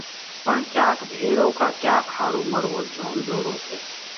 پڻ ڪياڪ ڀيۯو ڪا ڪياڪ ۿارُو مروو جوم ۮورو سئہ۔